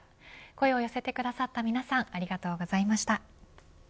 声を寄せてくださった皆さんありがとうございました。